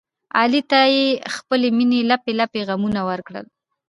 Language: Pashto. علي ته یې خپلې مینې لپې لپې غمونه ورکړل.